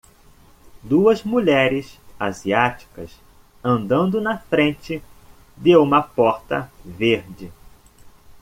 duas mulheres asiáticas andando na frente de uma porta verde